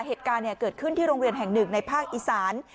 เหตุการณ์เกิดขึ้นที่โรงเรียนแห่งหนึ่งในภาคอีสาน